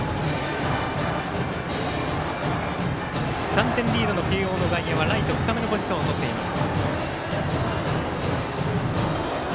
３点リードの慶応の外野はライト深めのポジションをとっています。